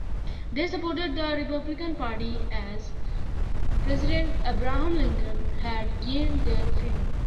They supported the Republican Party, as President Abraham Lincoln had gained their freedom.